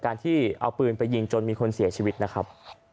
ที่เอาปืนไปยิงจนมีคนเสียชีวิตนะครับ